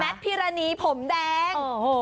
แมทพิราณีผมแดง